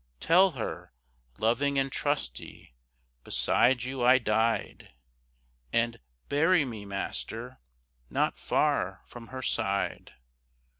Tell her, loving and trusty, beside you I died, And bury me, master, not far from her side.